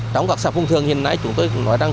trong các xã vùng thường hiện nay chúng tôi nói rằng